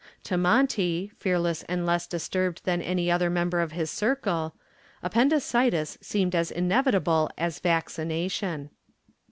To Monty, fearless and less disturbed than any other member of his circle, appendicitis seemed as inevitable as vaccination.